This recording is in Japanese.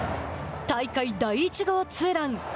大会第１号ツーラン。